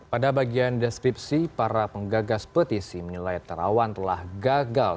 pada bagian deskripsi para penggagas petisi menilai terawan telah gagal